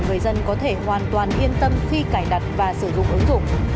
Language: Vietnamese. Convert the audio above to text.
người dân có thể hoàn toàn yên tâm khi cài đặt và sử dụng ứng dụng